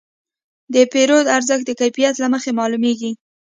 د پیرود ارزښت د کیفیت له مخې معلومېږي.